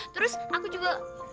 terus aku mau bekerja di pusat